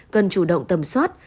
cần chủ động tầm soát